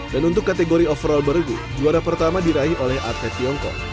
dan untuk kategori overall beragung juara pertama diraih oleh atlet tiongkok